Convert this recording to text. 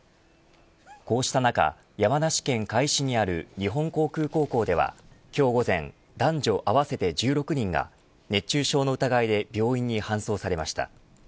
こうした中、山梨県甲斐市にある日本航空高校では、今日午前男女合わせて１６人が熱中症の疑いで病院に搬送されました。